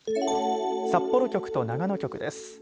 札幌局と長野局です。